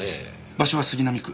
場所は杉並区。